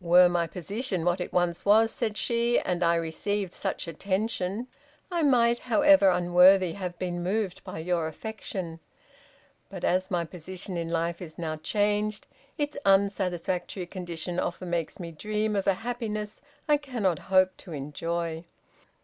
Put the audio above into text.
"Were my position what it once was," said she, "and I received such attention, I might, however unworthy, have been moved by your affection, but as my position in life is now changed, its unsatisfactory condition often makes me dream of a happiness I cannot hope to enjoy."